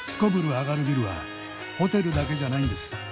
アガるビルはホテルだけじゃないんです。